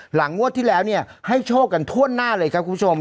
งวดที่แล้วเนี่ยให้โชคกันทั่วหน้าเลยครับคุณผู้ชม